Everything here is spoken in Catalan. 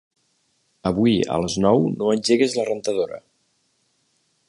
Avui a les nou no engeguis la rentadora.